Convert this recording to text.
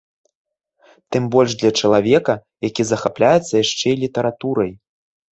Тым больш для чалавека, які захапляецца яшчэ і літаратурай.